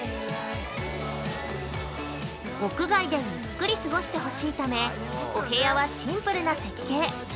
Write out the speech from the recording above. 屋外でゆっくり過ごしてほしいためお部屋はシンプルな設計。